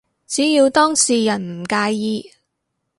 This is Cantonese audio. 只要當事人唔介意